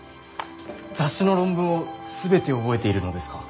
雑誌の論文を全て覚えているのですか？